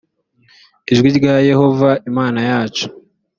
ijwi rya yehova imana yacu